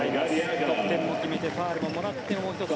得点も決めてファウルももらってもう１つ